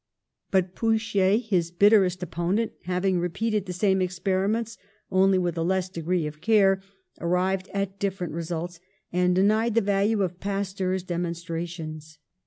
But Pouchet, his bitterest opponent, having repeated the same experiments, only with a less degree of care, arrived at different results, and denied the value of Pasteur's demonstra tions.